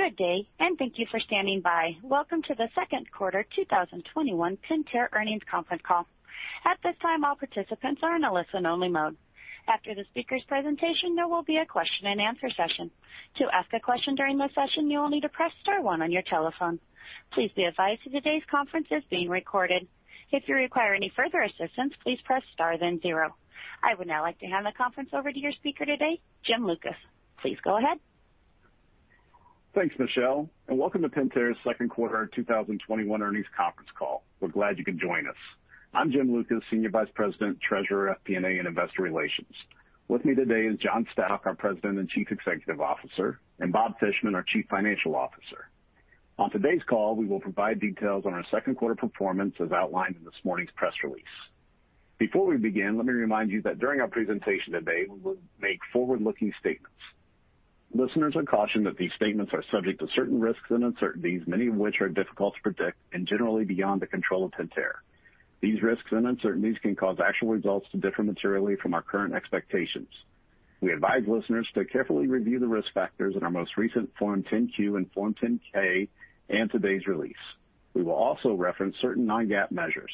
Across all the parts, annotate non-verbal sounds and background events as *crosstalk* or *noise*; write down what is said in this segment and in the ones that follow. Good day, and thank you for standing by. Welcome to the Q2 2021 Pentair Earnings Conference Call. At this time, all participants are in a listen-only mode. After the speakers' presentation, there will be a question-and-answer session. To ask a question during the session, you will need to press star one on your telephone. Please be advised that today's conference is being recorded. If you require any further assistance, please press star then zero. I would now like to hand the conference over to your speaker today, Jim Lucas. Please go ahead. Thanks, Michelle, welcome to Pentair's Q2 2021 earnings conference call. We're glad you could join us. I'm Jim Lucas, Senior Vice President and Treasurer at Pentair and Investor Relations. With me today is John Stauch, our President and Chief Executive Officer, and Bob Fishman, our Chief Financial Officer. On today's call, we will provide details on our Q2 performance as outlined in this morning's press release. Before we begin, let me remind you that during our presentation today, we will make forward-looking statements. Listeners are cautioned that these statements are subject to certain risks and uncertainties, many of which are difficult to predict and generally beyond the control of Pentair. These risks and uncertainties can cause actual results to differ materially from our current expectations. We advise listeners to carefully review the risk factors in our most recent Form 10-Q and Form 10-K, and today's release. We will also reference certain non-GAAP measures.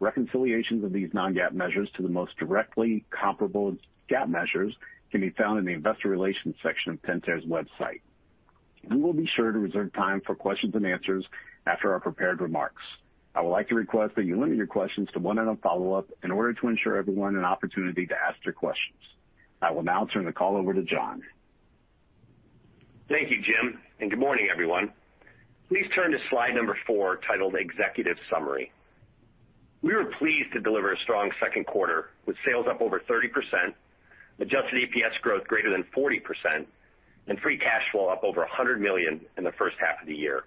Reconciliations of these non-GAAP measures to the most directly comparable GAAP measures can be found in the investor relations section of Pentair's website. We will be sure to reserve time for questions and answers after our prepared remarks. I would like to request that you limit your questions to one and a follow-up in order to ensure everyone an opportunity to ask their questions. I will now turn the call over to John. Thank you, Jim, and good morning, everyone. Please turn to slide number four, titled Executive Summary. We were pleased to deliver a strong Q2 with sales up over 30%, adjusted EPS growth greater than 40%, and free cash flow up over $100 million in the first half of the year.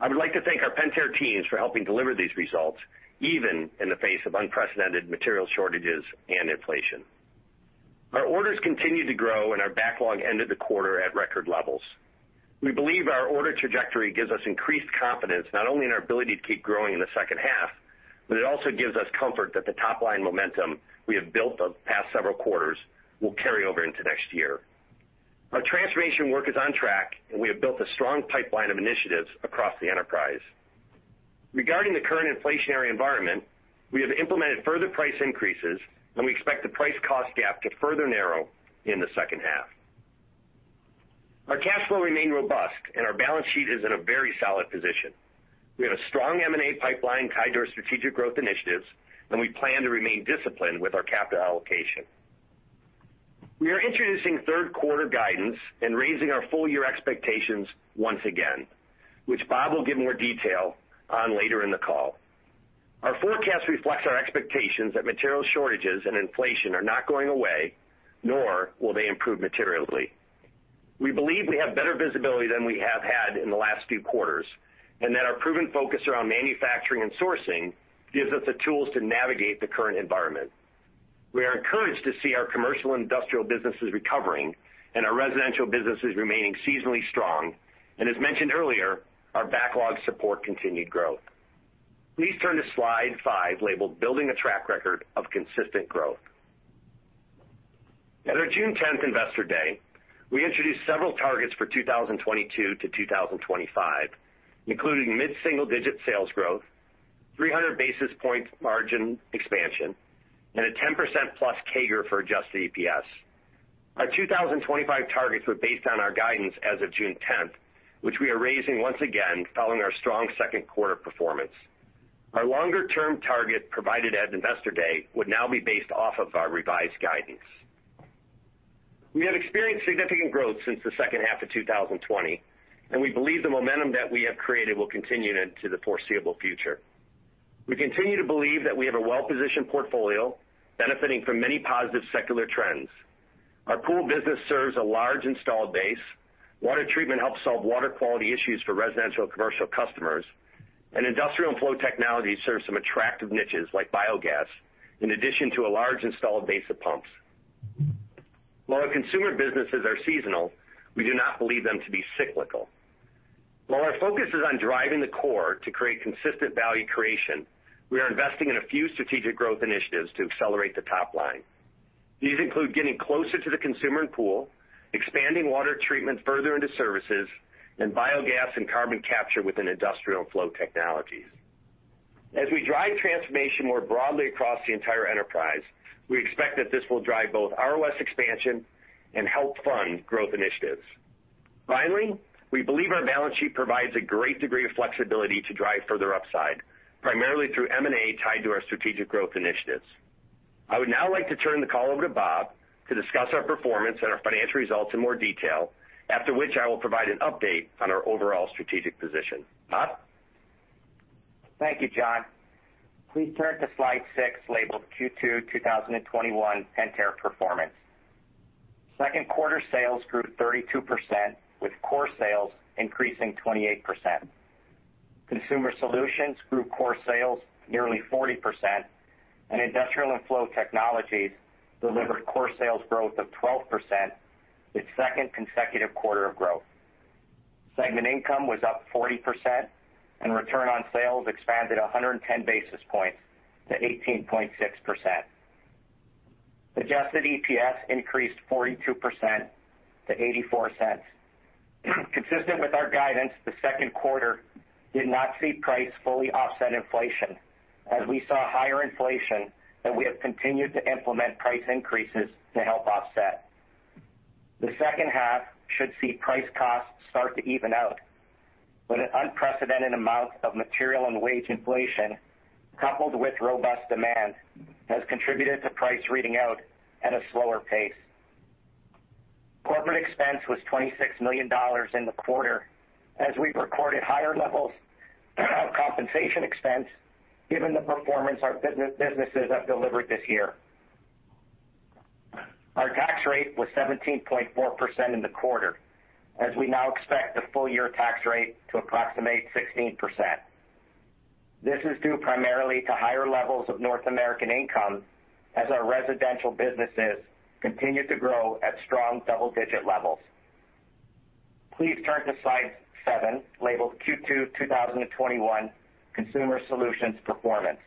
I would like to thank our Pentair teams for helping deliver these results, even in the face of unprecedented material shortages and inflation. Our orders continued to grow and our backlog ended the quarter at record levels. We believe our order trajectory gives us increased confidence, not only in our ability to keep growing in the second half, but it also gives us comfort that the top-line momentum we have built the past several quarters will carry over into next year. Our transformation work is on track, and we have built a strong pipeline of initiatives across the enterprise. Regarding the current inflationary environment, we have implemented further price increases, and we expect the price-cost gap to further narrow in the second half. Our cash flow remained robust, and our balance sheet is in a very solid position. We have a strong M&A pipeline tied to our strategic growth initiatives, and we plan to remain disciplined with our capital allocation. We are introducing Q3 guidance and raising our full-year expectations once again, which Bob will give more detail on later in the call. Our forecast reflects our expectations that material shortages and inflation are not going away, nor will they improve materially. We believe we have better visibility than we have had in the last few quarters, and that our proven focus around manufacturing and sourcing gives us the tools to navigate the current environment. We are encouraged to see our commercial and industrial businesses recovering and our residential businesses remaining seasonally strong. As mentioned earlier, our backlogs support continued growth. Please turn to slide 5, labeled Building a Track Record of Consistent Growth. At our June 10th Investor Day, we introduced several targets for 2022-2025, including mid-single-digit sales growth, 300 basis points margin expansion, and a 10%+ CAGR for adjusted EPS. Our 2025 targets were based on our guidance as of June 10th, which we are raising once again following our strong Q2 performance. Our longer-term target provided at Investor Day would now be based off of our revised guidance. We have experienced significant growth since the second half of 2020. We believe the momentum that we have created will continue into the foreseeable future. We continue to believe that we have a well-positioned portfolio benefiting from many positive secular trends. Our pool business serves a large installed base, water treatment helps solve water quality issues for residential and commercial customers, and Industrial & Flow Technologies serve some attractive niches like biogas, in addition to a large installed base of pumps. While our consumer businesses are seasonal, we do not believe them to be cyclical. While our focus is on driving the core to create consistent value creation, we are investing in a few strategic growth initiatives to accelerate the top line. These include getting closer to the consumer and pool, expanding water treatment further into services, and biogas and carbon capture within Industrial & Flow Technologies. As we drive transformation more broadly across the entire enterprise, we expect that this will drive both ROS expansion and help fund growth initiatives. Finally, we believe our balance sheet provides a great degree of flexibility to drive further upside, primarily through M&A tied to our strategic growth initiatives. I would now like to turn the call over to Bob to discuss our performance and our financial results in more detail, after which I will provide an update on our overall strategic position. Bob? Thank you, John. Please turn to slide 6, labeled Q2 2021 Pentair Performance. Q2 sales grew 32%, with core sales increasing 28%. Consumer Solutions grew core sales nearly 40%, and Industrial & Flow Technologies delivered core sales growth of 12%, the second consecutive quarter of growth. Segment income was up 40%, and return on sales expanded 110 basis points to 18.6%. Adjusted EPS increased 42% to $0.84. Consistent with our guidance, the Q2 did not see price fully offset inflation, as we saw higher inflation that we have continued to implement price increases to help offset. The second half should see price costs start to even out. An unprecedented amount of material and wage inflation, coupled with robust demand, has contributed to price reading out at a slower pace. Corporate expense was $26 million in the quarter as we recorded higher levels of compensation expense, given the performance our businesses have delivered this year. Our tax rate was 17.4% in the quarter, as we now expect the full-year tax rate to approximate 16%. This is due primarily to higher levels of North American income as our residential businesses continue to grow at strong double-digit levels. Please turn to slide 7, labeled Q2 2021 Consumer Solutions Performance.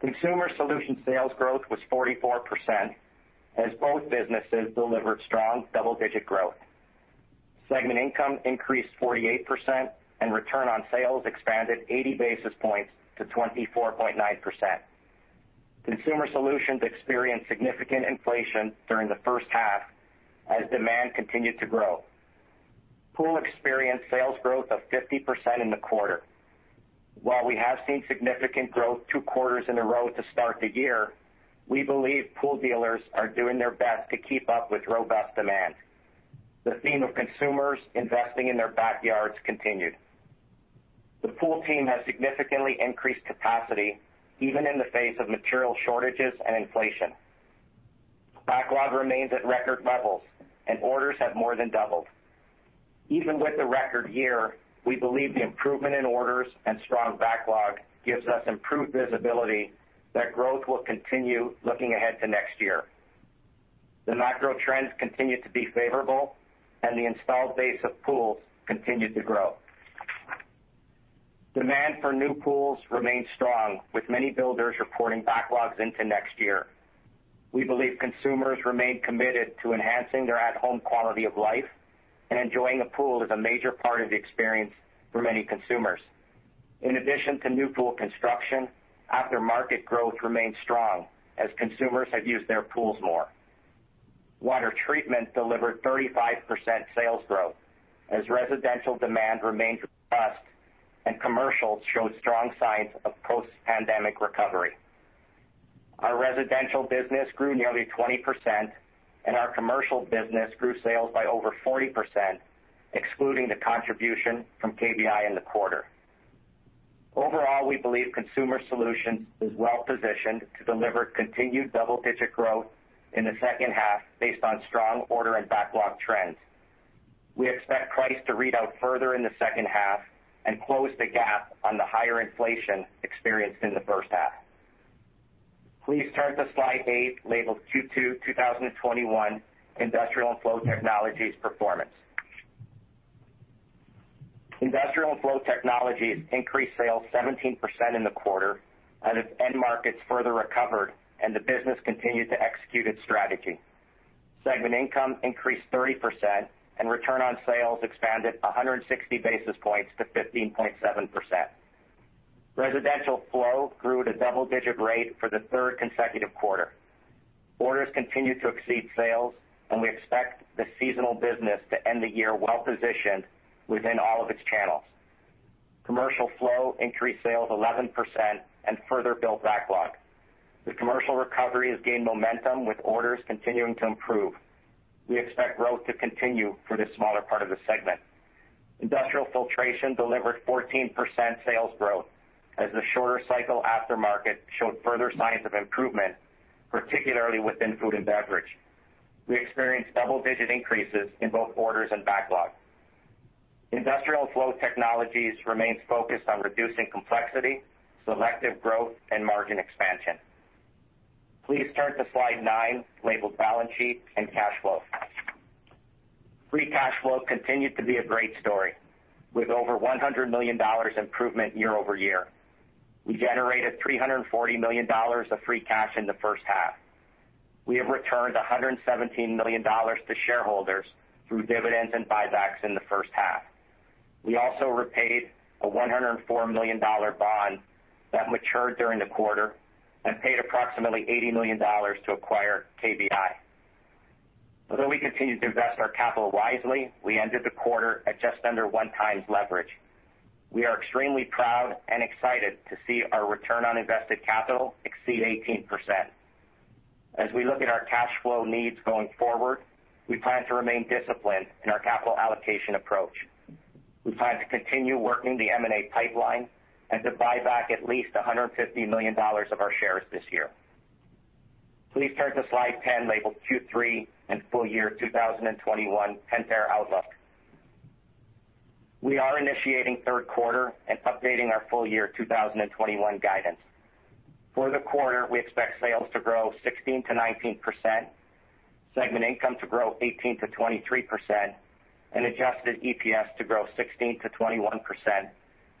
Consumer Solutions sales growth was 44%, as both businesses delivered strong double-digit growth. Segment income increased 48%, and return on sales expanded 80 basis points to 24.9%. Consumer Solutions experienced significant inflation during the first half as demand continued to grow. Pool experienced sales growth of 50% in the quarter. While we have seen significant growth two quarters in a row to start the year, we believe pool dealers are doing their best to keep up with robust demand. The theme of consumers investing in their backyards continued. The pool team has significantly increased capacity, even in the face of material shortages and inflation. Backlog remains at record levels, and orders have more than doubled. Even with the record year, we believe the improvement in orders and strong backlog gives us improved visibility that growth will continue looking ahead to next year. The macro trends continue to be favorable, and the installed base of pools continued to grow. Demand for new pools remains strong, with many builders reporting backlogs into next year. We believe consumers remain committed to enhancing their at-home quality of life, and enjoying a pool is a major part of the experience for many consumers. In addition to new pool construction, aftermarket growth remains strong as consumers have used their pools more. Water treatment delivered 35% sales growth as residential demand remained robust and commercial showed strong signs of post-pandemic recovery. Our residential business grew nearly 20%, and our commercial business grew sales by over 40%, excluding the contribution from KBI in the quarter. Overall, we believe Consumer Solutions is well-positioned to deliver continued double-digit growth in the second half based on strong order and backlog trends. We expect price to read out further in the second half and close the gap on the higher inflation experienced in the first half. Please turn to slide 8, labeled Q2 2021 Industrial & Flow Technologies Performance. Industrial & Flow Technologies increased sales 17% in the quarter as its end markets further recovered and the business continued to execute its strategy. Segment income increased 30%. Return on sales expanded 160 basis points to 15.7%. Residential Flow grew at a double-digit rate for the third consecutive quarter. Orders continued to exceed sales. We expect this seasonal business to end the year well-positioned within all of its channels. Commercial Flow increased sales 11% and further built backlog. The commercial recovery has gained momentum with orders continuing to improve. We expect growth to continue for this smaller part of the segment. Industrial Filtration delivered 14% sales growth as the shorter cycle aftermarket showed further signs of improvement, particularly within food and beverage. We experienced double-digit increases in both orders and backlog. Industrial & Flow Technologies remains focused on reducing complexity, selective growth, and margin expansion. Please turn to slide 9, labeled Balance Sheet and Cash Flow. Free cash flow continued to be a great story, with over $100 million improvement year-over-year. We generated $340 million of free cash in the first half. We have returned $117 million to shareholders through dividends and buybacks in the first half. We also repaid a $104 million bond that matured during the quarter and paid approximately $80 million to acquire KBI. We continued to invest our capital wisely, we ended the quarter at just under one times leverage. We are extremely proud and excited to see our return on invested capital exceed 18%. As we look at our cash flow needs going forward, we plan to remain disciplined in our capital allocation approach. We plan to continue working the M&A pipeline and to buy back at least $150 million of our shares this year. Please turn to slide 10, labeled Q3 and Full Year 2021 Pentair Outlook. We are initiating Q3 and updating our full year 2021 guidance. For the quarter, we expect sales to grow 16%-19%, segment income to grow 18%-23%, and adjusted EPS to grow 16%-21%,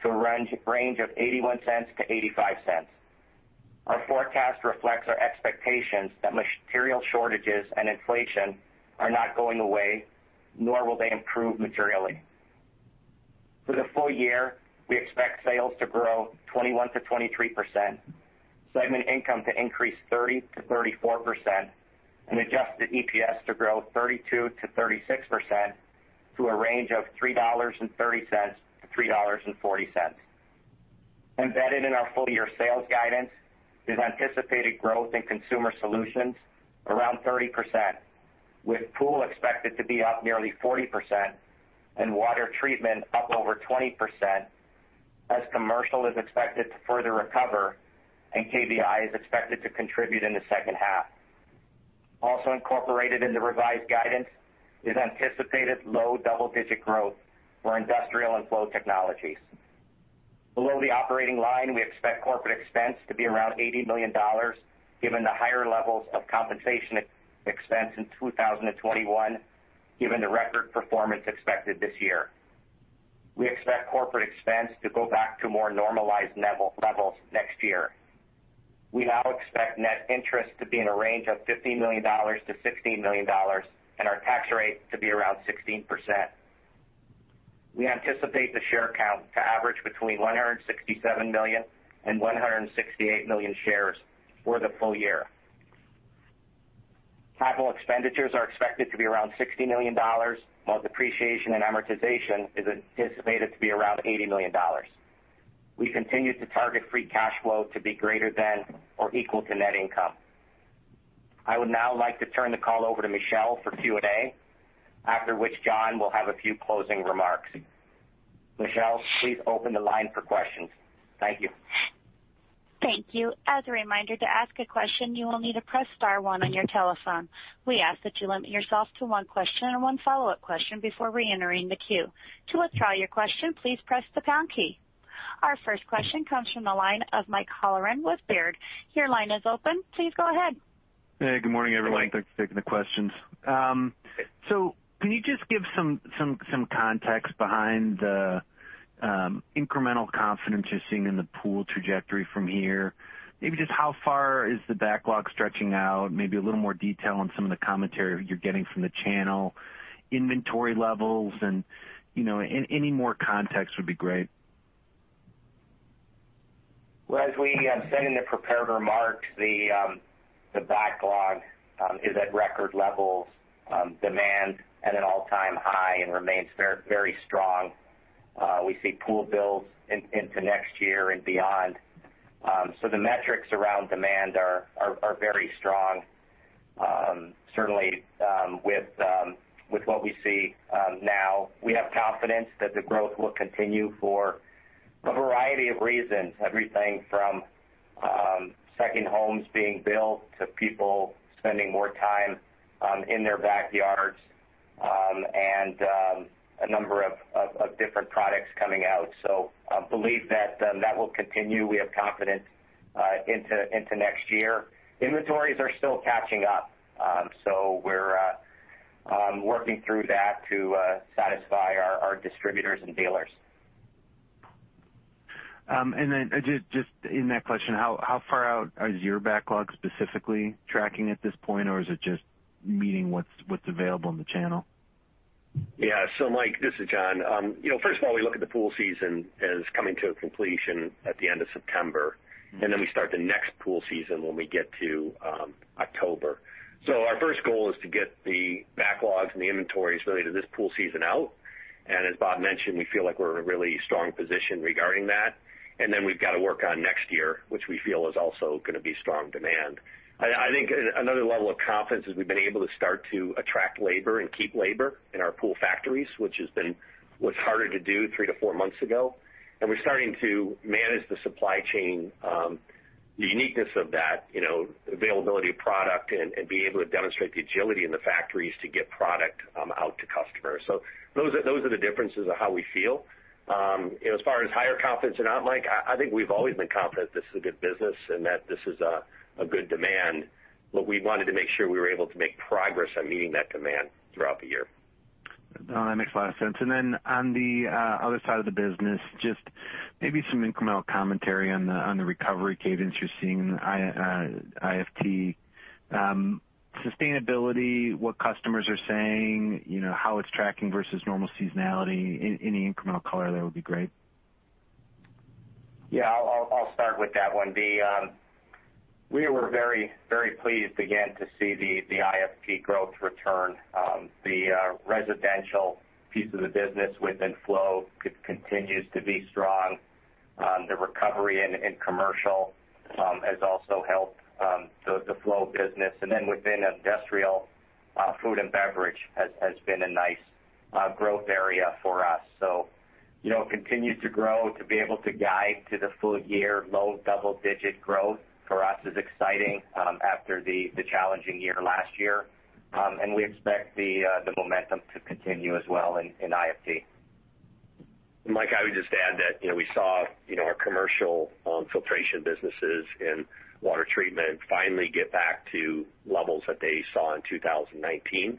to a range of $0.81-$0.85. Our forecast reflects our expectations that material shortages and inflation are not going away, nor will they improve materially. For the full year, we expect sales to grow 21%-23%, segment income to increase 30%-34%, and adjusted EPS to grow 32%-36% to a range of $3.30-$3.40. Embedded in our full-year sales guidance is anticipated growth in Consumer Solutions around 30%, with pool expected to be up nearly 40% and water treatment up over 20%, as commercial is expected to further recover and KBI is expected to contribute in the second half. Also incorporated in the revised guidance is anticipated low double-digit growth for Industrial & Flow Technologies. Below the operating line, we expect corporate expense to be around $80 million, given the higher levels of compensation expense in 2021, given the record performance expected this year. We expect corporate expense to go back to more normalized levels next year. We now expect net interest to be in a range of $15 million-$16 million and our tax rate to be around 16%. We anticipate the share count to average between 167 million and 168 million shares for the full year. Capital expenditures are expected to be around $60 million, while depreciation and amortization is anticipated to be around $80 million. We continue to target free cash flow to be greater than or equal to net income. I would now like to turn the call over to Michelle for Q&A, after which John will have a few closing remarks. Michelle, please open the line for questions. Thank you. Thank you. As a reminder, to ask a question, you will need to press star one on your telephone. We ask that you limit yourself to one question and one follow-up question before reentering the queue. To withdraw your question, please press the pound key. Our first question comes from the line of Mike Halloran with Baird. Your line is open. Please go ahead. Hey, good morning, everyone. Thanks for taking the questions. Can you just give some context behind the incremental confidence you're seeing in the pool trajectory from here? Maybe just how far is the backlog stretching out, maybe a little more detail on some of the commentary you're getting from the channel, inventory levels, and any more context would be great. Well, as we said in the prepared remarks, the backlog is at record levels. Demand at an all-time high and remains very strong. We see pool builds into next year and beyond. The metrics around demand are very strong. Certainly, with what we see now, we have confidence that the growth will continue for a variety of reasons, everything from second homes being built to people spending more time in their backyards and a number of different products coming out. I believe that will continue. We have confidence into next year. Inventories are still catching up. We're working through that to satisfy our distributors and dealers. Just in that question, how far out is your backlog specifically tracking at this point, or is it just meeting what's available in the channel? Mike, this is John. First of all, we look at the pool season as coming to a completion at the end of September. Then we start the next pool season when we get to October. Our first goal is to get the backlogs and the inventories related to this pool season out. As Bob mentioned, we feel like we're in a really strong position regarding that. Then we've got to work on next year, which we feel is also going to be strong demand. I think another level of confidence is we've been able to start to attract labor and keep labor in our pool factories, which was harder to do three to four months ago. We're starting to manage the supply chain, the uniqueness of that, availability of product, and being able to demonstrate the agility in the factories to get product out to customers. Those are the differences of how we feel. As far as higher confidence or not, Mike, I think we've always been confident this is a good business and that this is a good demand. We wanted to make sure we were able to make progress on meeting that demand throughout the year. That makes a lot of sense. On the other side of the business, just maybe some incremental commentary on the recovery cadence you're seeing in the IFT. Sustainability, what customers are saying, how it's tracking versus normal seasonality, any incremental color there would be great. Yeah, I'll start with that one. We were very pleased again to see the IFT growth return. The residential piece of the business within Flow continues to be strong. The recovery in commercial has also helped the Flow business. Within industrial, food and beverage has been a nice growth area for us. It continues to grow. To be able to guide to the full year low double-digit growth for us is exciting after the challenging year last year. We expect the momentum to continue as well in IFT. Mike, I would just add that we saw our commercial on filtration businesses and water treatment finally get back to levels that they saw in 2019.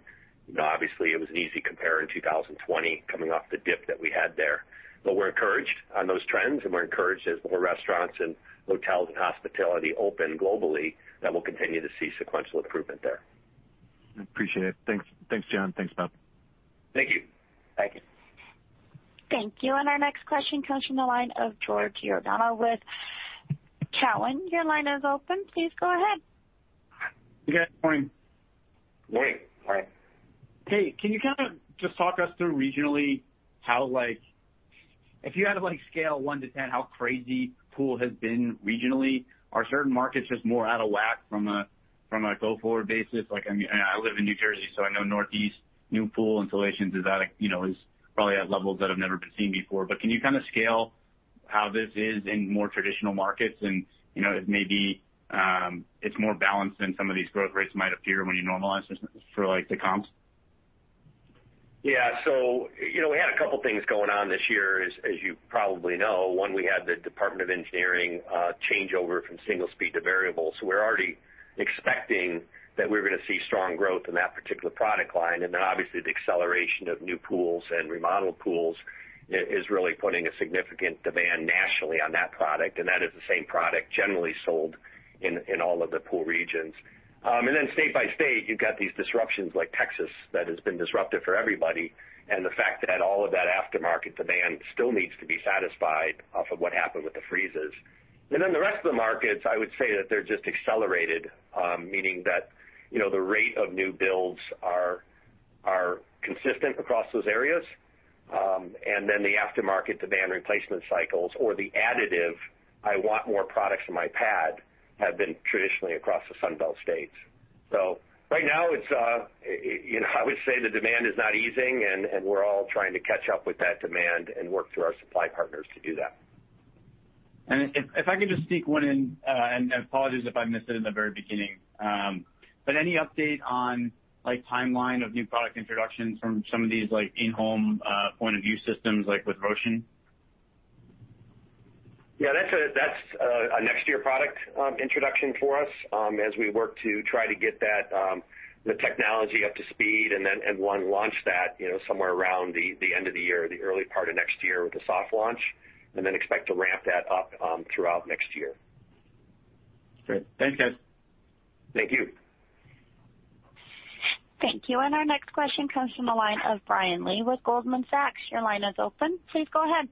Obviously, it was an easy compare in 2020 coming off the dip that we had there. We're encouraged on those trends, and we're encouraged as more restaurants and hotels and hospitality open globally, that we'll continue to see sequential improvement there. Appreciate it. Thanks, John. Thanks, Bob. Thank you. Thank you. Thank you. Our next question comes from the line of Joe Giordano with Cowen. You guys, good morning. Morning. Morning. Hey, can you kind of just talk us through regionally how if you had to scale 1-10 how crazy pool has been regionally? Are certain markets just more out of whack from a go-forward basis? I live in New Jersey, so I know Northeast new pool installations is probably at levels that have never been seen before. Can you kind of scale how this is in more traditional markets? Maybe it's more balanced than some of these growth rates might appear when you normalize this for the comps. Yeah. We had a couple things going on this year, as you probably know. One, we had the Department of Energy changeover from single speed to variable. We're already expecting that we're going to see strong growth in that particular product line. Obviously the acceleration of new pools and remodeled pools is really putting a significant demand nationally on that product, and that is the same product generally sold in all of the pool regions. State by state, you've got these disruptions like Texas that has been disruptive for everybody, and the fact that all of that aftermarket demand still needs to be satisfied off of what happened with the freezers. The rest of the markets, I would say that they're just accelerated, meaning that the rate of new builds are consistent across those areas. The aftermarket demand replacement cycles or the additive, I want more products in my pad, have been traditionally across the Sun Belt states. Right now, I would say the demand is not easing, and we're all trying to catch up with that demand and work through our supply partners to do that. If I can just sneak one in, and apologies if I missed it in the very beginning. Any update on timeline of new product introductions from some of these in-home point-of-use systems like with Rocean? Yeah, that's a next-year product introduction for us as we work to try to get the technology up to speed and one launch that somewhere around the end of the year, the early part of next year with a soft launch, and then expect to ramp that up throughout next year. Great. Thanks, guys. Thank you. Thank you. Our next question comes from the line of Brian Lee with Goldman Sachs. Your line is open. Please go ahead.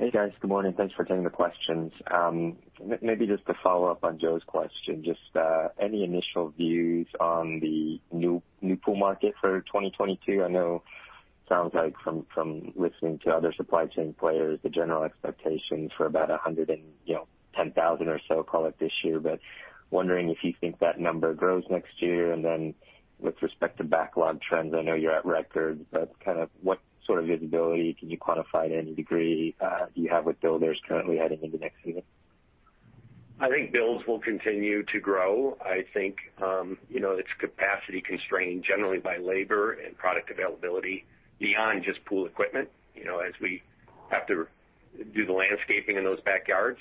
Hey, guys. Good morning. Thanks for taking the questions. Just to follow-up on Joe's question, just any initial views on the new pool market for 2022? I know it sounds like from listening to other supply chain players, the general expectation for about 110,000 or so call it this year. Wondering if you think that number grows next year. With respect to backlog trends, I know you're at record, kind of what sort of visibility can you quantify to any degree you have with builders currently heading into next year? I think builds will continue to grow. I think it's capacity constrained generally by labor and product availability beyond just pool equipment as we have to do the landscaping in those backyards.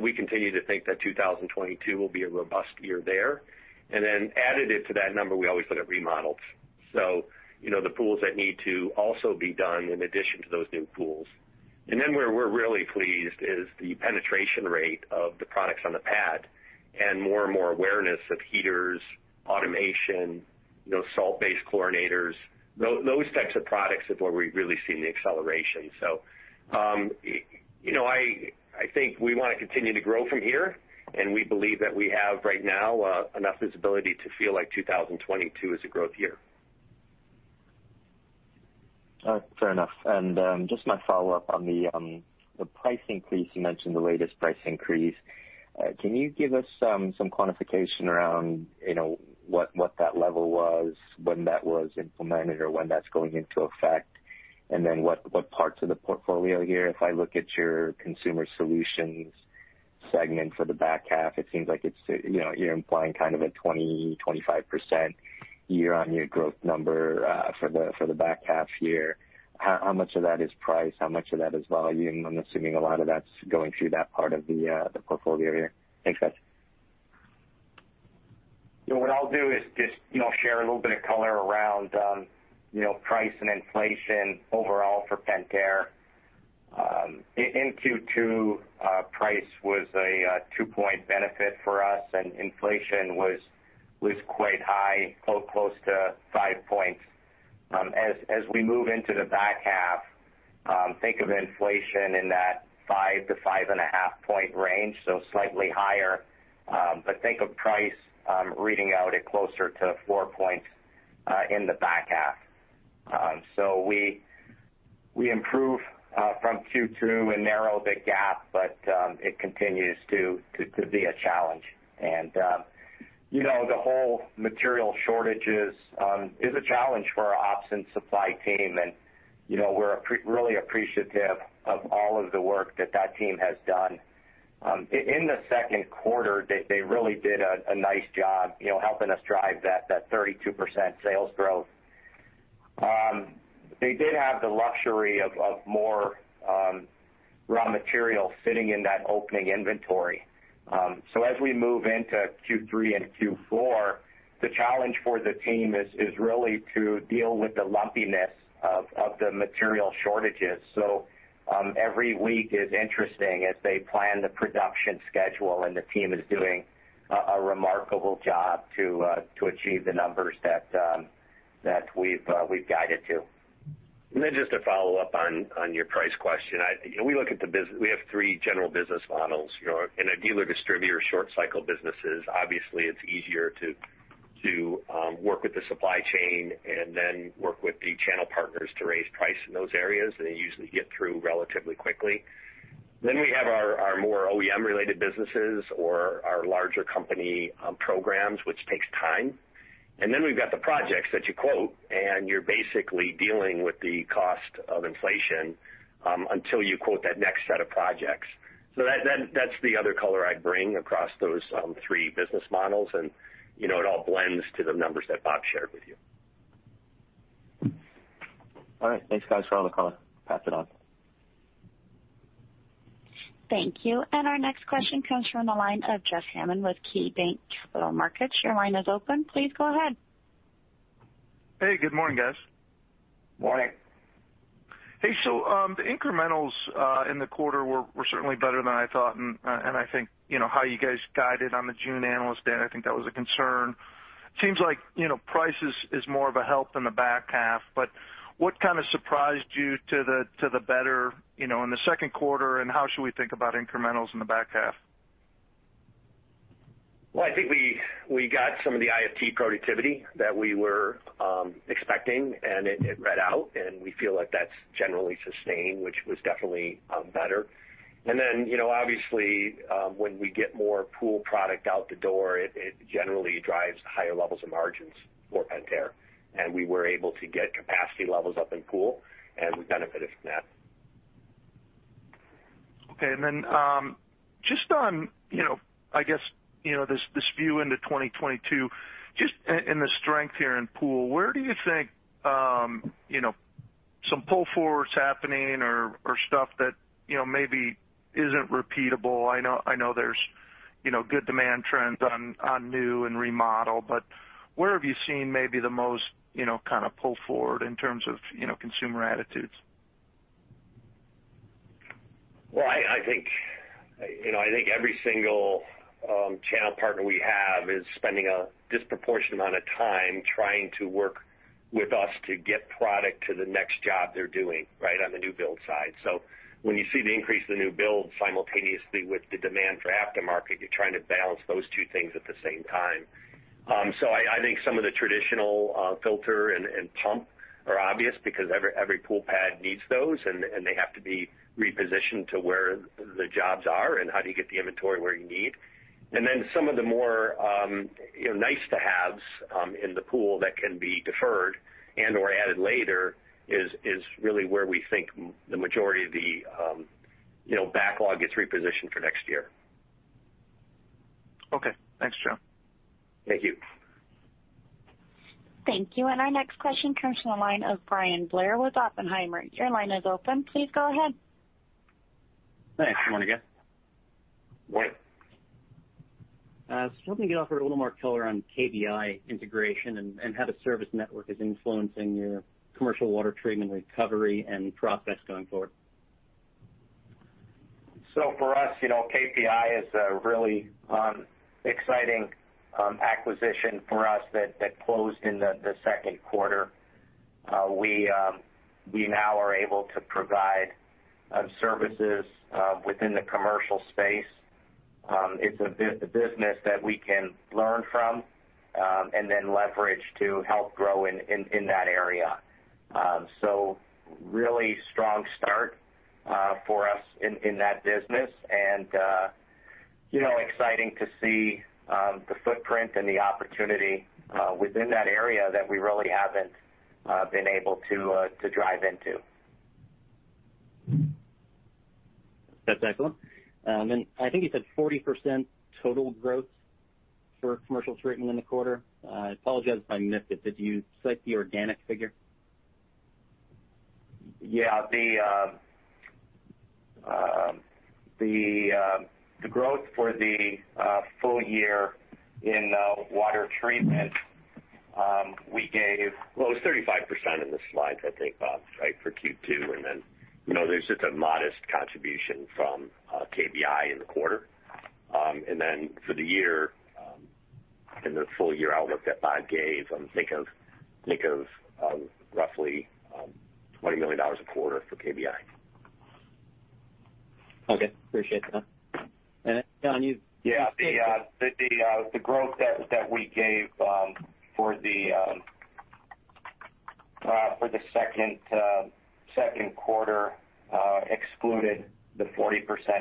We continue to think that 2022 will be a robust year there. Additive to that number, we always look at remodels. The pools that need to also be done in addition to those new pools. Where we're really pleased is the penetration rate of the products on the pad, and more and more awareness of heaters, automation, salt-based chlorinators. Those types of products is where we've really seen the acceleration. I think we want to continue to grow from here, and we believe that we have right now enough visibility to feel like 2022 is a growth year. All right. Fair enough. Just my follow-up on the price increase. You mentioned the latest price increase. Can you give us some quantification around what that level was, when that was implemented, or when that's going into effect? What parts of the portfolio here? If I look at your Consumer Solutions segment for the back half, it seems like you're implying kind of a 20%, 25% year-on-year growth number for the back half year. How much of that is price? How much of that is volume? I'm assuming a lot of that's going through that part of the portfolio here. Thanks, guys. What I'll do is just share a little bit of color around price and inflation overall for Pentair. In Q2, price was a two-point benefit for us. Inflation was quite high, close to five points. As we move into the back half, think of inflation in that five to 5.5 point range, so slightly higher. Think of price reading out at closer to four points in the back half. We improve from Q2 and narrow the gap, but it continues to be a challenge. The whole material shortages is a challenge for our ops and supply team, and we're really appreciative of all of the work that that team has done. In the Q2, they really did a nice job helping us drive that 32% sales growth. They did have the luxury of more raw material sitting in that opening inventory. As we move into Q3 and Q4, the challenge for the team is really to deal with the lumpiness of the material shortages. Every week is interesting as they plan the production schedule, and the team is doing a remarkable job to achieve the numbers that we've guided to. Just to follow-up on your price question. We have three general business models. In a dealer distributor short cycle businesses, obviously it's easier to work with the supply chain and then work with the channel partners to raise price in those areas, and they usually get through relatively quickly. We have our more OEM related businesses or our larger company programs, which takes time. We've got the projects that you quote, and you're basically dealing with the cost of inflation until you quote that next set of projects. That's the other color I'd bring across those three business models, and it all blends to the numbers that Bob shared with you. All right. Thanks, guys, for all the color. Pass it on. Thank you. Our next question comes from the line of Jeff Hammond with KeyBanc Capital Markets. Your line is open. Please go ahead. Hey, good morning, guys. Morning. Hey, the incrementals in the quarter were certainly better than I thought. I think, how you guys guided on the June Analyst Day, I think that was a concern. Seems like price is more of a help in the back half, but what kind of surprised you to the better in the Q2, and how should we think about incrementals in the back half? I think we got some of the IFT productivity that we were expecting, and it read out, and we feel like that's generally sustained, which was definitely better. Then, obviously, when we get more pool product out the door, it generally drives higher levels of margins for Pentair. We were able to get capacity levels up in pool, and we benefited from that. Okay. Just on this view into 2022, just in the strength here in pool, where do you think some pull forwards happening or stuff that maybe isn't repeatable? I know there's good demand trends on new and remodel, but where have you seen maybe the most kind of pull forward in terms of consumer attitudes? Well, I think every single channel partner we have is spending a disproportionate amount of time trying to work with us to get product to the next job they're doing right on the new build side. When you see the increase in the new build simultaneously with the demand for aftermarket, you're trying to balance those two things at the same time. I think some of the traditional filter and pump are obvious because every pool pad needs those, and they have to be repositioned to where the jobs are and how do you get the inventory where you need. Then some of the more nice-to-haves in the pool that can be deferred and/or added later is really where we think the majority of the backlog gets repositioned for next year. Okay. Thanks, John. Thank you. Thank you. Our next question comes from the line of Bryan Blair with Oppenheimer. Your line is open. Please go ahead. Thanks. Good morning, guys. Morning. I was hoping you could offer a little more color on KBI integration and how the service network is influencing your commercial water treatment recovery and prospects going forward. KBI is a really exciting acquisition for us that closed in the Q2. We now are able to provide services within the commercial space. It's a business that we can learn from and then leverage to help grow in that area. Really strong start for us in that business and exciting to see the footprint and the opportunity within that area that we really haven't been able to drive into. That's excellent. I think you said 40% total growth for commercial treatment in the quarter. I apologize if I missed it. Did you cite the organic figure? Yeah. The growth for the full year in water treatment. Well, it was 35% in the slides, I think, Bob, right, for Q2. Then there's just a modest contribution from KBI in the quarter. Then for the year, in the full year outlook that Bob gave, I'm thinking of roughly $20 million a quarter for KBI. Okay. Appreciate that. John. Yeah. The growth that we gave for the Q2 excluded the 40%,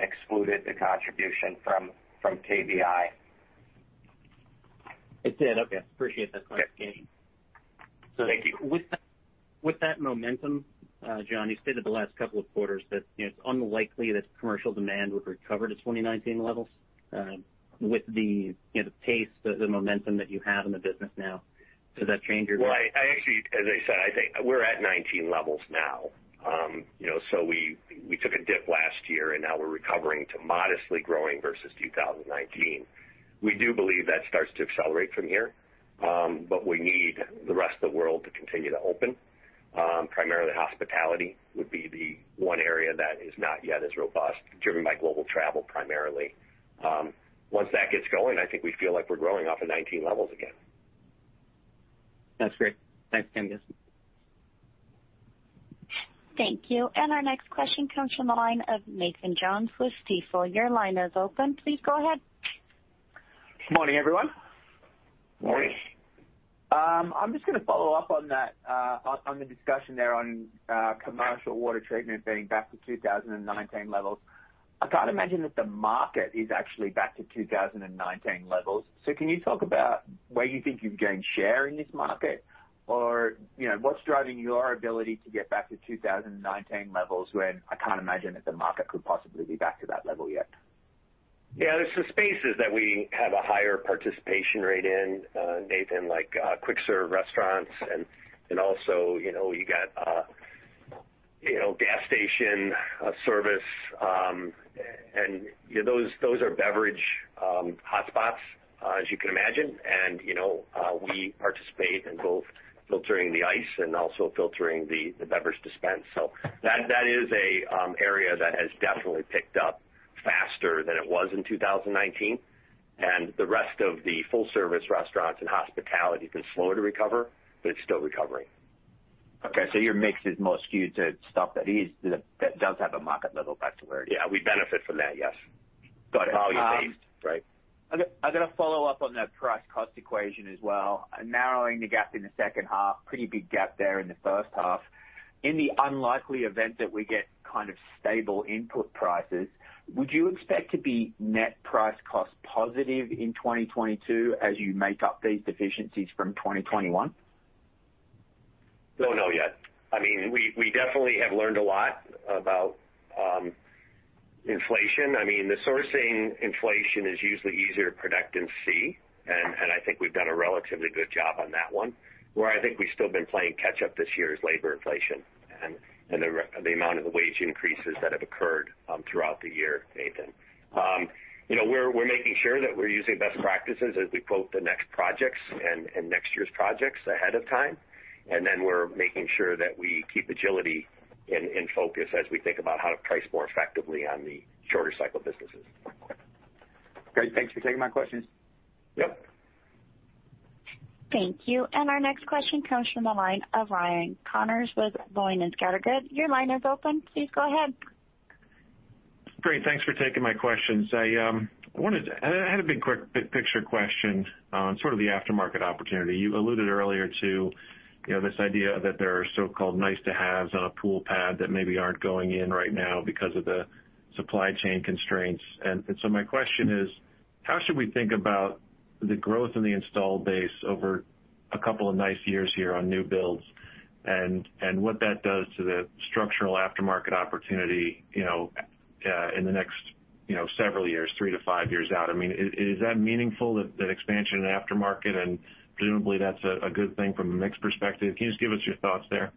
excluded the contribution from KBI. It did. Okay. Appreciate that clarification. Thank you. With that momentum, John, you stated the last couple of quarters that it's unlikely that commercial demand would recover to 2019 levels. With the pace, the momentum that you have in the business now, does that change your mind? Well, actually, as I said, I think we're at 2019 levels now. We took a dip last year, and now we're recovering to modestly growing versus 2019. We do believe that starts to accelerate from here, but we need the rest of the world to continue to open. Primarily hospitality would be the one area that is not yet as robust, driven by global travel primarily. Once that gets going, I think we feel like we're growing off of 2019 levels again. That's great. Thanks. I'm good. Thank you. Our next question comes from the line of Nathan Jones with Stifel. Good morning, everyone. Morning. I'm just going to follow-up on the discussion there on commercial water treatment being back to 2019 levels. I can't imagine that the market is actually back to 2019 levels. Can you talk about where you think you've gained share in this market? What's driving your ability to get back to 2019 levels when I can't imagine that the market could possibly be back to that level yet? Yeah, there's some spaces that we have a higher participation rate in, Nathan, like quick-serve restaurants. Also you got gas station service. Those are beverage hotspots, as you can imagine. We participate in both filtering the ice and also filtering the beverage dispense. That is an area that has definitely picked up faster than it was in 2019. The rest of the full-service restaurants and hospitality have been slower to recover, but it's still recovering. Okay, your mix is more skewed to stuff that does have a market level back to where it is. Yeah, we benefit from that, yes. Got it. Volume-based, right. I've got to follow-up on that price-cost equation as well. Narrowing the gap in the second half, pretty big gap there in the first half. In the unlikely event that we get kind of stable input prices, would you expect to be net price-cost positive in 2022 as you make up these deficiencies from 2021? Don't know yet. We definitely have learned a lot about inflation. The sourcing inflation is usually easier to predict and see, and I think we've done a relatively good job on that one. Where I think we've still been playing catch up this year is labor inflation and the amount of wage increases that have occurred throughout the year, Nathan. We're making sure that we're using best practices as we quote the next projects and next year's projects ahead of time, and then we're making sure that we keep agility in focus as we think about how to price more effectively on the shorter cycle businesses. Great. Thanks for taking my questions. Yep. Thank you. Our next question comes from the line of Ryan Connors with Boenning & Scattergood. Your line is open. Please go ahead. Great. Thanks for taking my questions. I had a big quick-picture question on sort of the aftermarket opportunity. You alluded earlier to this idea that there are so-called nice-to-haves on a pool pad that maybe aren't going in right now because of the supply chain constraints. My question is, how should we think about the growth in the installed base over a couple of nice years here on new builds and what that does to the structural aftermarket opportunity in the next several years, three to five years out? Is that meaningful, that expansion in aftermarket? Presumably, that's a good thing from a mix perspective. Can you just give us your thoughts there?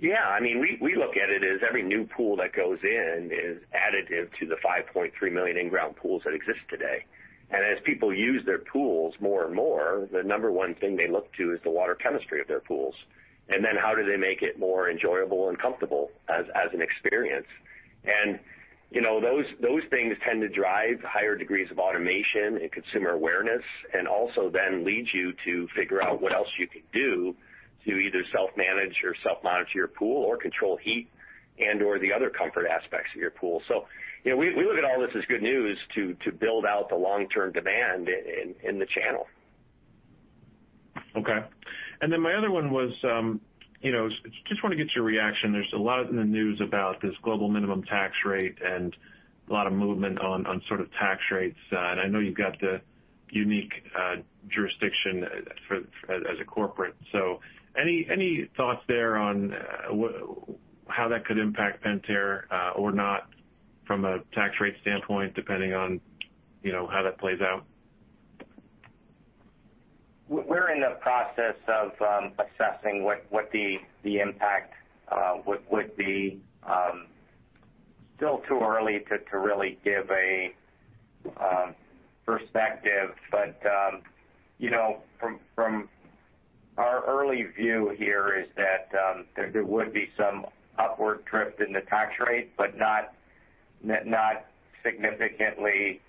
Yeah. We look at it as every new pool that goes in is additive to the 5.3 million in-ground pools that exist today. As people use their pools more and more, the number one thing they look to is the water chemistry of their pools. How do they make it more enjoyable and comfortable as an experience? Those things tend to drive higher degrees of automation and consumer awareness, and also then lead you to figure out what else you can do to either self-manage or self-monitor your pool or control heat and/or the other comfort aspects of your pool. We look at all this as good news to build out the long-term demand in the channel. Okay. My other one was, I just want to get your reaction. There's a lot in the news about this global minimum tax rate and a lot of movement on sort of tax rates. I know you've got the unique jurisdiction as a corporate. Any thoughts there on how that could impact Pentair, or not from a tax rate standpoint, depending on how that plays out? We're in the process of assessing what the impact would be. Still too early to really give a perspective. From our early view here is that there would be some upward drift in the tax rate, but not significantly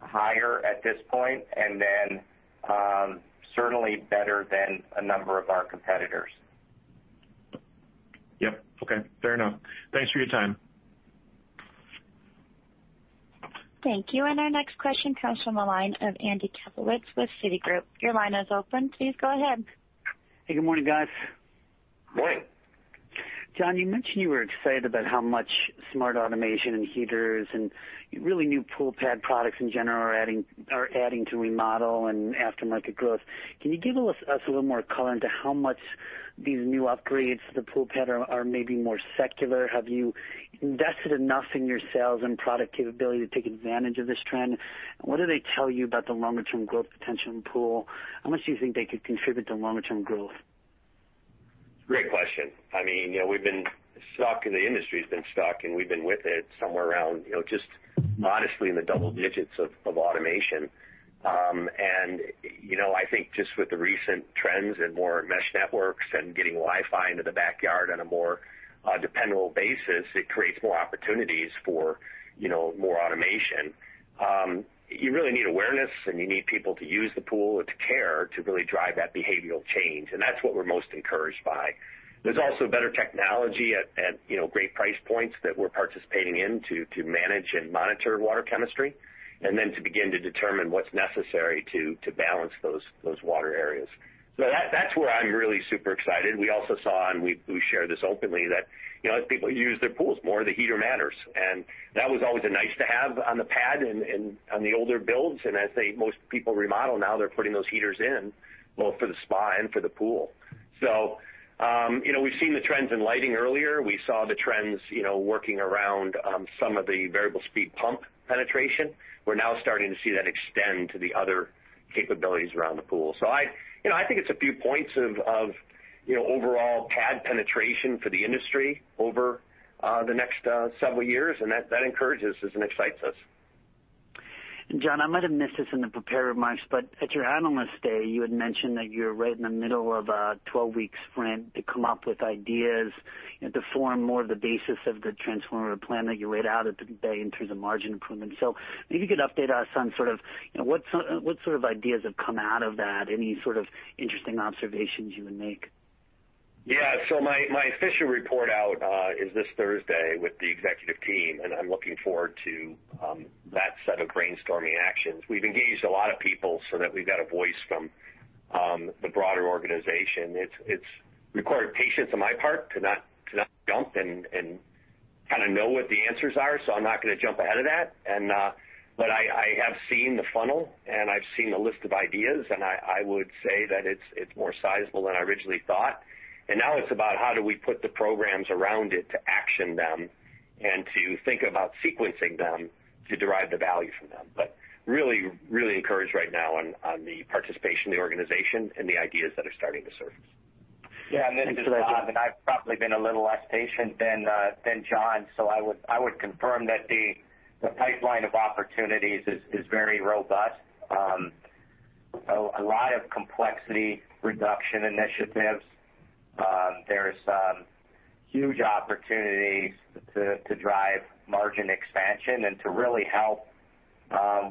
higher at this point. Certainly better than a number of our competitors. Yep. Okay. Fair enough. Thanks for your time. Thank you. Our next question comes from the line of Andy Kaplowitz with Citigroup. Your line is open. Please go ahead. Hey, good morning, guys. Morning. John, you mentioned you were excited about how much smart automation and heaters and really new pool pad products in general are adding to remodel and aftermarket growth. Can you give us a little more color into how much these new upgrades to the pool pad are maybe more secular? Have you invested enough in your sales and product capability to take advantage of this trend? What do they tell you about the longer-term growth potential in pool? How much do you think they could contribute to longer-term growth? Great question. The industry's been stuck, and we've been with it somewhere around just modestly in the double-digits of automation. I think just with the recent trends and more mesh networks and getting Wi-Fi into the backyard on a more dependable basis, it creates more opportunities for more automation. You really need awareness, and you need people to use the pool or to care to really drive that behavioral change, and that's what we're most encouraged by. There's also better technology at great price points that we're participating in to manage and monitor water chemistry, and then to begin to determine what's necessary to balance those water areas. That's where I'm really super excited. We also saw, and we share this openly, that as people use their pools more, the heater matters. That was always a nice-to-have on the pad and on the older builds, as most people remodel now, they're putting those heaters in, both for the spa and for the pool. We've seen the trends in lighting earlier. We saw the trends working around some of the variable speed pump penetration. We're now starting to see that extend to the other capabilities around the pool. I think it's a few points of overall pad penetration for the industry over the next several years, and that encourages us and excites us. John, I might have missed this in the prepared remarks, but at your Analyst Day, you had mentioned that you're right in the middle of a 12-week sprint to come up with ideas to form more of the basis of the transformative plan that you laid out at the Day in terms of margin improvement. Maybe you could update us on what sort of ideas have come out of that. Any sort of interesting observations you would make? My official report out is this Thursday with the executive team, and I'm looking forward to that set of brainstorming actions. We've engaged a lot of people so that we've got a voice from the broader organization. It's required patience on my part to not jump and kind of know what the answers are. I'm not going to jump ahead of that. I have seen the funnel, and I've seen the list of ideas, and I would say that it's more sizable than I originally thought. Now it's about how do we put the programs around it to action them and to think about sequencing them to derive the value from them. Really encouraged right now on the participation of the organization and the ideas that are starting to surface. Yeah *crosstalk* John, I've probably been a little less patient than John. I would confirm that the pipeline of opportunities is very robust. A lot of complexity reduction initiatives. There's huge opportunities to drive margin expansion and to really help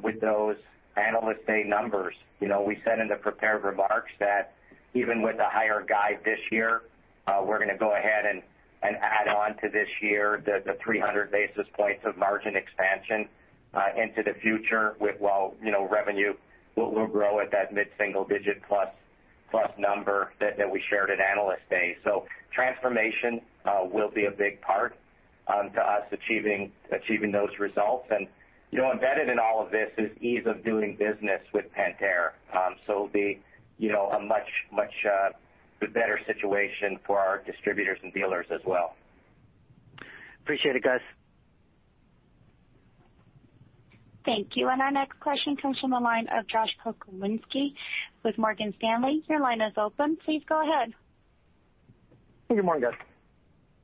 with those Analyst Day numbers. We said in the prepared remarks that even with a higher guide this year, we're going to go ahead and add on to this year the 300 basis points of margin expansion into the future, while revenue will grow at that mid-single digit plus number that we shared at Analyst Day. Transformation will be a big part to us achieving those results. Embedded in all of this is ease of doing business with Pentair. It'll be a much better situation for our distributors and dealers as well. Appreciate it, guys. Thank you. Our next question comes from the line of Josh Pokrzywinski with Morgan Stanley. Your line is open. Please go ahead. Good morning, guys.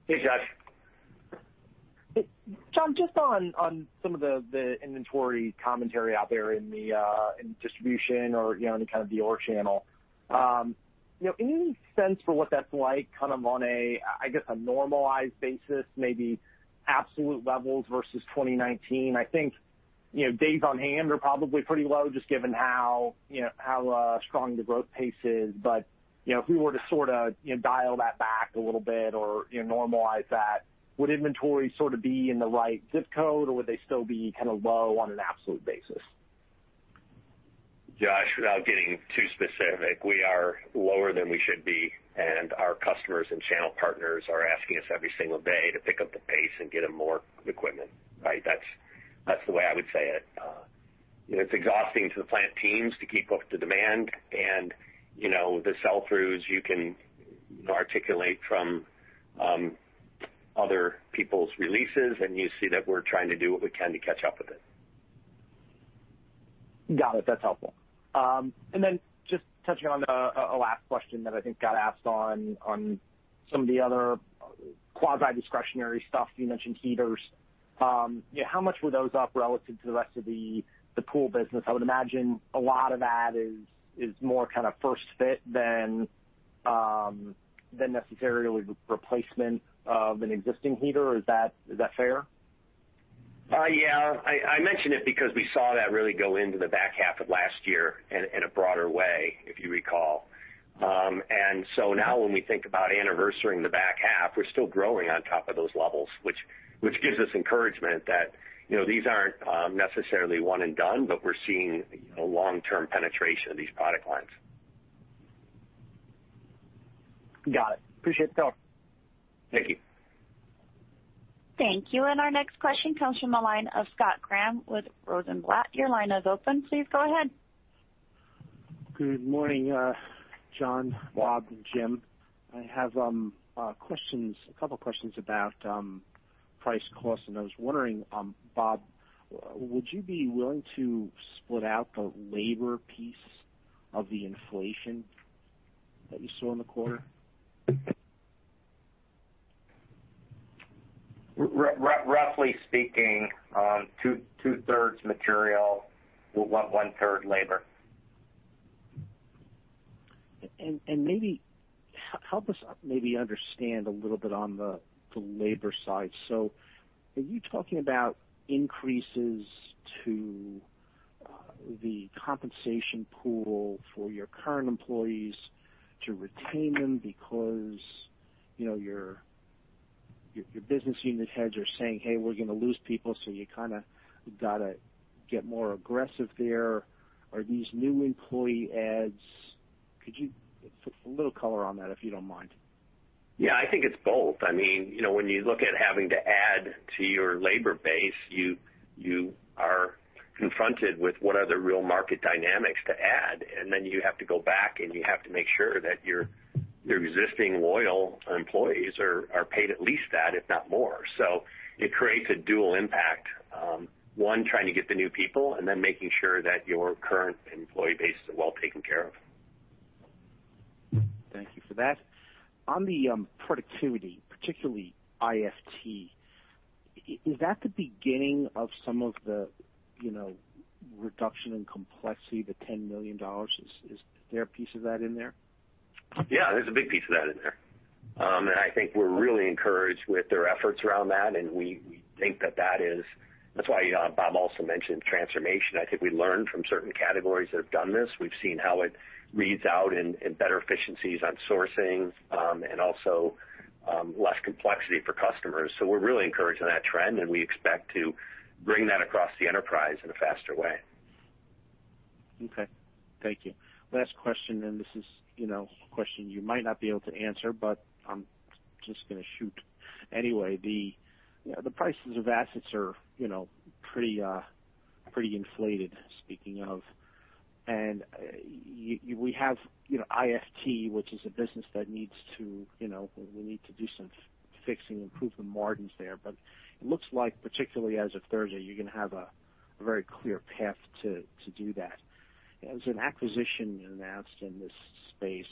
Hey, Josh. John, just on some of the inventory commentary out there in distribution or in the kind of dealer channel. Any sense for what that's like kind of on a, I guess, a normalized basis, maybe absolute levels versus 2019? I think days on hand are probably pretty low, just given how strong the growth pace is. If we were to sort of dial that back a little bit or normalize that, would inventory sort of be in the right zip code, or would they still be kind of low on an absolute basis? Josh, without getting too specific, we are lower than we should be, and our customers and channel partners are asking us every single day to pick up the pace and get them more equipment. That's the way I would say it. It's exhausting to the plant teams to keep up with the demand, and the sell-throughs, you can articulate from other people's releases, and you see that we're trying to do what we can to catch up with it. Got it. That's helpful. Just touching on a last question that I think got asked on some of the other quasi-discretionary stuff, you mentioned heaters. How much were those up relative to the rest of the pool business? I would imagine a lot of that is more kind of first fit than necessarily replacement of an existing heater. Is that fair? Yeah. I mention it because we saw that really go into the back half of last year in a broader way, if you recall. Now when we think about anniversarying the back half, we're still growing on top of those levels, which gives us encouragement that these aren't necessarily one and done, but we're seeing long-term penetration of these product lines. Got it. Appreciate the color. Thank you. Thank you. Our next question comes from the line of Scott Graham with Rosenblatt. Your line is open. Please go ahead. Good morning, John, Bob, and Jim. I have a couple questions about price cost, and I was wondering, Bob, would you be willing to split out the labor piece of the inflation that you saw in the quarter? Roughly speaking, 2/3 material, 1/3 labor. Maybe help us maybe understand a little bit on the labor side. Are you talking about increases to the compensation pool for your current employees to retain them because your business unit heads are saying, "Hey, we're going to lose people," so you kind of got to get more aggressive there. Are these new employee adds? Could you put a little color on that, if you don't mind? Yeah. I think it's both. When you look at having to add to your labor base, you are confronted with what are the real market dynamics to add. You have to go back and you have to make sure that your existing loyal employees are paid at least that, if not more. It creates a dual impact. One, trying to get the new people, making sure that your current employee base is well taken care of. Thank you for that. On the productivity, particularly IFT, is that the beginning of some of the reduction in complexity, the $10 million? Is there a piece of that in there? Yeah, there's a big piece of that in there. I think we're really encouraged with their efforts around that, and we think that That's why Bob also mentioned transformation. I think we learned from certain categories that have done this. We've seen how it reads out in better efficiencies on sourcing, and also less complexity for customers. We're really encouraged on that trend, and we expect to bring that across the enterprise in a faster way. Okay. Thank you. Last question. This is a question you might not be able to answer, I'm just going to shoot anyway. The prices of assets are pretty inflated, speaking of. We have IFT, which is a business that we need to do some fixing, improve the margins there. It looks like, particularly as of Thursday, you're going to have a very clear path to do that. There was an acquisition announced in this space,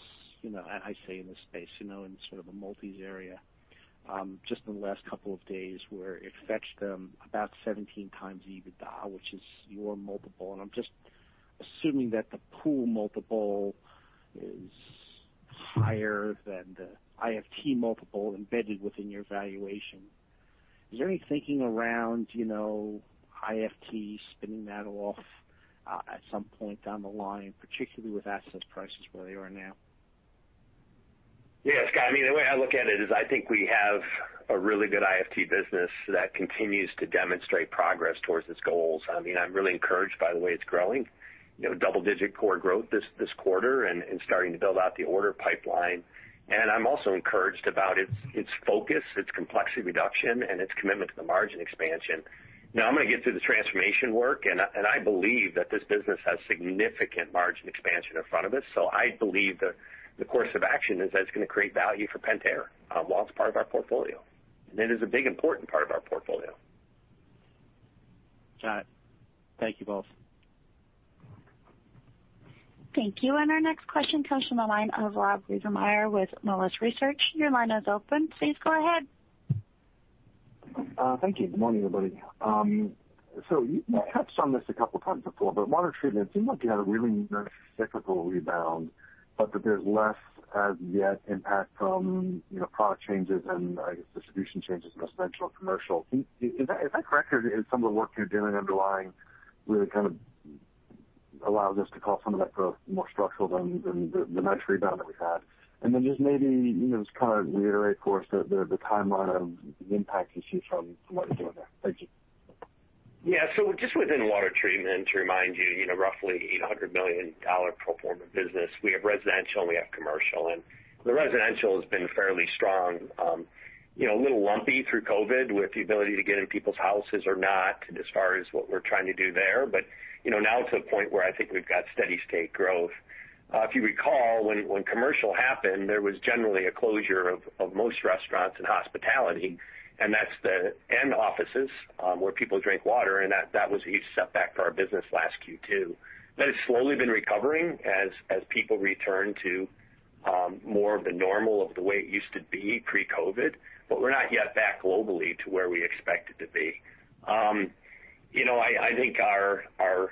I say in this space, in sort of a multis area, just in the last couple of days where it fetched them about 17x EBITDA, which is your multiple. I'm just assuming that the pool multiple is higher than the IFT multiple embedded within your valuation. Is there any thinking around IFT spinning that off at some point down the line, particularly with assets prices where they are now? Yes, Scott. The way I look at it is I think we have a really good IFT business that continues to demonstrate progress towards its goals. I'm really encouraged by the way it's growing. Double-digit core growth this quarter and starting to build out the order pipeline. I'm also encouraged about its focus, its complexity reduction, and its commitment to the margin expansion. Now I'm going to get to the transformation work, and I believe that this business has significant margin expansion in front of it. I believe the course of action is that it's going to create value for Pentair while it's part of our portfolio. It is a big, important part of our portfolio. Got it. Thank you both. Thank you. Our next question comes from the line of Rob Wertheimer with Melius Research. Your line is open. Please go ahead. Thank you. Good morning, everybody. You touched on this a couple times before, but water treatment seemed like it had a really nice cyclical rebound, but that there's less as of yet impact from product changes and, I guess, distribution changes in residential and commercial. Is that correct? Is some of the work you're doing underlying really kind of allows us to call some of that growth more structural than the nice rebound that we've had? Then just maybe just kind of reiterate for us the timeline of the impact you see from what you're doing there. Thank you. Just within water treatment, to remind you, roughly $800 million pro forma business. We have residential, and we have commercial, and the residential has been fairly strong. A little lumpy through COVID with the ability to get in people's houses or not as far as what we're trying to do there. Now it's at a point where I think we've got steady state growth. If you recall, when commercial happened, there was generally a closure of most restaurants and hospitality, and offices, where people drink water, and that was a huge setback to our business last Q2. That has slowly been recovering as people return to more of the normal of the way it used to be pre-COVID. We're not yet back globally to where we expect it to be. I think our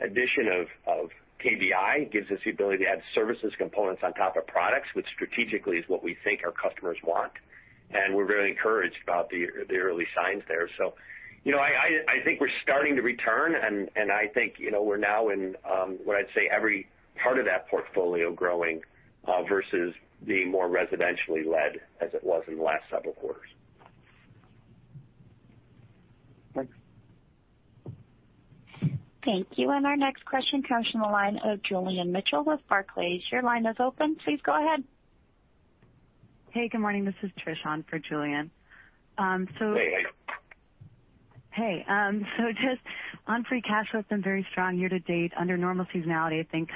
addition of KBI gives us the ability to add services components on top of products, which strategically is what we think our customers want. We're very encouraged about the early signs there. I think we're starting to return, and I think we're now in what I'd say every part of that portfolio growing versus being more residentially led as it was in the last several quarters. Thank you. Our next question comes from the line of Julian Mitchell with Barclays. Your line is open. Please go ahead. Hey, good morning. This is Trish on for Julian. Hey. Hey. Just on free cash flow, it's been very strong year-to-date. Under normal seasonality, I think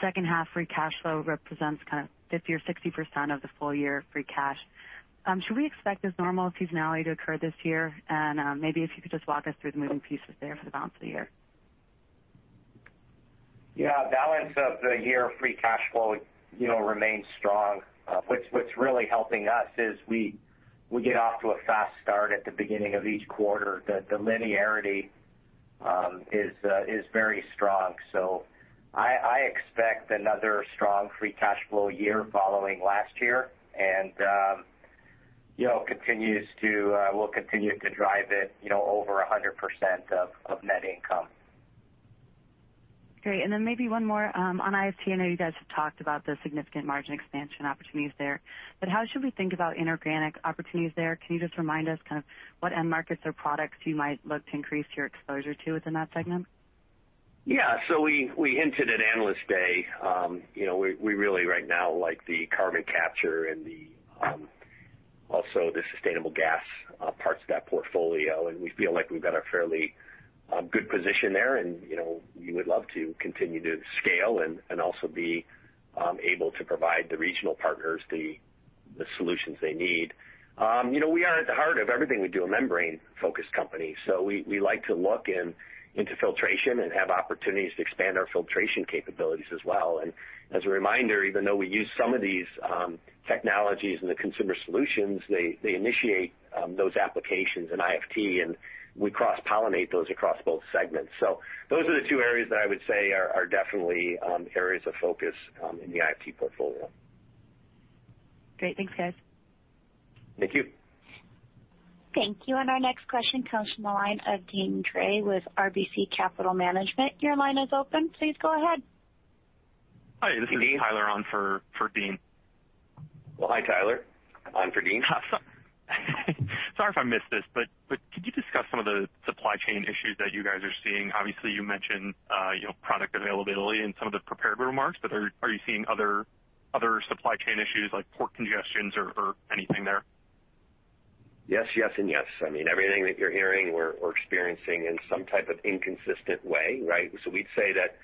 second half free cash flow represents 50% or 60% of the full year free cash. Should we expect this normal seasonality to occur this year? Maybe if you could just walk us through the moving pieces there for the balance of the year. Yeah. Balance of the year free cash flow remains strong. What's really helping us is we get off to a fast start at the beginning of each quarter. The linearity is very strong. I expect another strong free cash flow year following last year, and we'll continue to drive it over 100% of net income. Great. Maybe one more on IFT. I know you guys have talked about the significant margin expansion opportunities there, but how should we think about inorganic opportunities there? Can you just remind us what end markets or products you might look to increase your exposure to within that segment? We hinted at Analyst Day. We really right now like the carbon capture and also the sustainable gas parts of that portfolio, and we feel like we've got a fairly good position there, and we would love to continue to scale and also be able to provide the regional partners the solutions they need. We are, at the heart of everything we do, a membrane-focused company. We like to look into filtration and have opportunities to expand our filtration capabilities as well. As a reminder, even though we use some of these technologies in the Consumer Solutions, they initiate those applications in IFT, and we cross-pollinate those across both segments. Those are the two areas that I would say are definitely areas of focus in the IFT portfolio. Great. Thanks, guys. Thank you. Thank you. Our next question comes from the line of Deane Dray with RBC Capital Markets. Your line is open. Please go ahead. Hi, this is *crosstalk* Tyler on for Deane. Well, hi, Tyler. On for Deane. Sorry if I missed this, could you discuss some of the supply chain issues that you guys are seeing? Obviously, you mentioned product availability in some of the prepared remarks, are you seeing other supply chain issues like port congestions or anything there? Yes, yes, and yes. I mean, everything that you're hearing, we're experiencing in some type of inconsistent way, right? We'd say that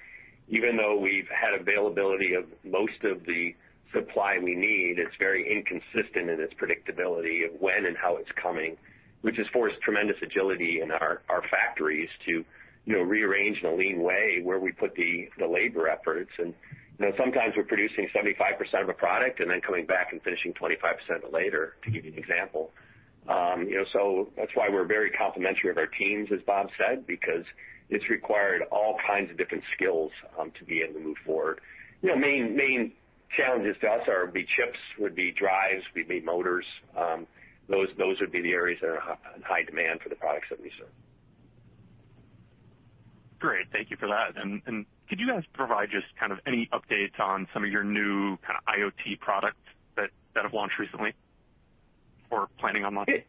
even though we've had availability of most of the supply we need, it's very inconsistent in its predictability of when and how it's coming, which has forced tremendous agility in our factories to rearrange in a lean way where we put the labor efforts. Sometimes we're producing 75% of a product and then coming back and finishing 25% later, to give you an example. That's why we're very complimentary of our teams, as Bob said, because it's required all kinds of different skills to be able to move forward. Main challenges to us would be chips, would be drives, would be motors. Those would be the areas that are in high demand for the products that we serve. Great. Thank you for that. Could you guys provide just any updates on some of your new IoT products that have launched recently or planning on launching?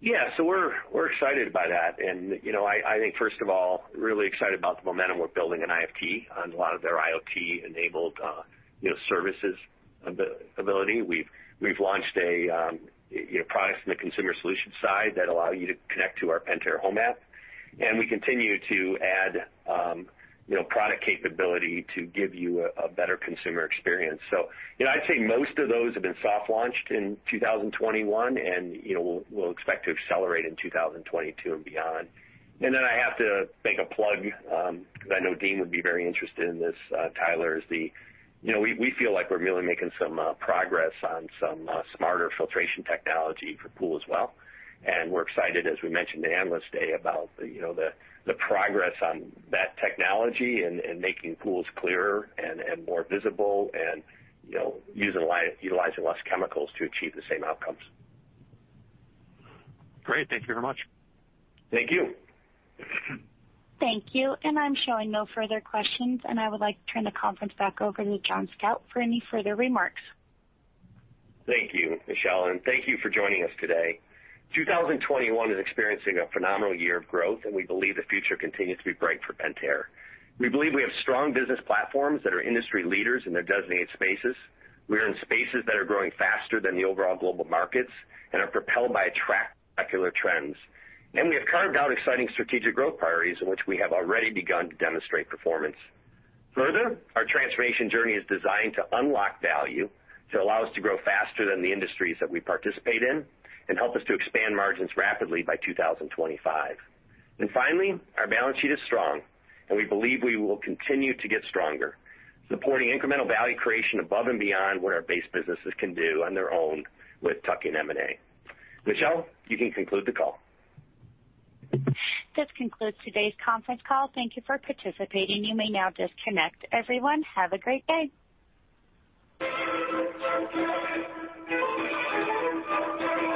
Yeah. We're excited by that. I think, first of all, really excited about the momentum we're building in IFT on a lot of their IoT-enabled services ability. We've launched products in the Consumer Solutions side that allow you to connect to our Pentair Home app, and we continue to add product capability to give you a better consumer experience. I'd say most of those have been soft launched in 2021, and we'll expect to accelerate in 2022 and beyond. I have to make a plug, because I know Deane would be very interested in this, Tyler, is we feel like we're really making some progress on some smarter filtration technology for pool as well, and we're excited, as we mentioned at Analyst Day, about the progress on that technology and making pools clearer and more visible and utilizing less chemicals to achieve the same outcomes. Great. Thank you very much. Thank you. Thank you. I'm showing no further questions, and I would like to turn the conference back over to John Stauch for any further remarks. Thank you, Michelle, and thank you for joining us today. 2021 is experiencing a phenomenal year of growth, and we believe the future continues to be bright for Pentair. We believe we have strong business platforms that are industry leaders in their designated spaces. We are in spaces that are growing faster than the overall global markets and are propelled by spectacular trends. We have carved out exciting strategic growth priorities in which we have already begun to demonstrate performance. Further, our transformation journey is designed to unlock value to allow us to grow faster than the industries that we participate in and help us to expand margins rapidly by 2025. Finally, our balance sheet is strong, and we believe we will continue to get stronger, supporting incremental value creation above and beyond what our base businesses can do on their own with tuck-in M&A. Michelle, you can conclude the call. This concludes today's conference call. Thank you for participating. You may now disconnect. Everyone, have a great day.